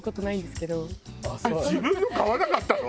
自分の買わなかったの？